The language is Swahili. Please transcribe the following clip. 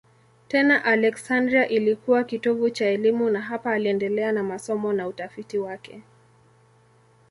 Tena Aleksandria ilikuwa kitovu cha elimu na hapa aliendelea na masomo na utafiti wake.